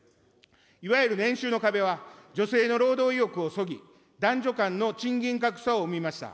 いわゆる年収の壁は、女性の労働意欲をそぎ、男女間の賃金格差を生みました。